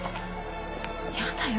やだよ